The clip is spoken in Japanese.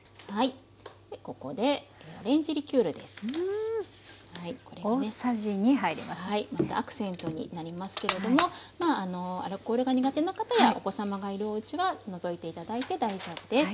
でここでアクセントになりますけれどもアルコールが苦手な方やお子様がいるおうちは除いて頂いて大丈夫です。